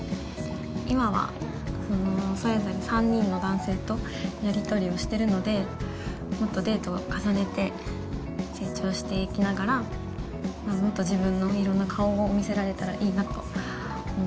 今はそれぞれ３人の男性とやり取りをしてるのでもっとデートを重ねて成長していきながらもっと自分の色んな顔を見せられたらいいなと思います。